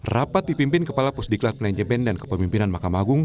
rapat dipimpin kepala pusdiklat manajemen dan kepemimpinan mahkamah agung